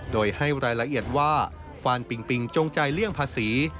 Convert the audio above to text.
โดยให้รายละเอียดว่าฟานปิงปิงจงใจเลี่ยงภาษี